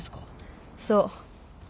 そう。